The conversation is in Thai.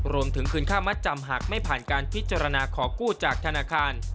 รวมถึงคืนค่ามัดจำหากไม่ผ่านการพิจารณาขอกู้จากธนาคาร